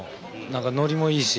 ノリもいいし。